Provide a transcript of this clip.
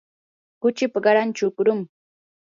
kuchipa qaran chukrumi.